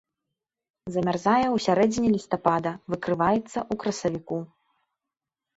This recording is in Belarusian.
Замярзае ў сярэдзіне лістапада, выкрываецца ў красавіку.